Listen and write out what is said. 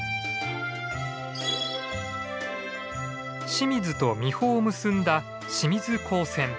清水と三保を結んだ清水港線。